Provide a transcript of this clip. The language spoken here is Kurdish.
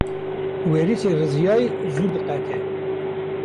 Werîsê riziyayî zû diqete.